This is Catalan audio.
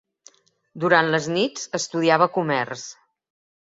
Durant les nits estudiava comerç.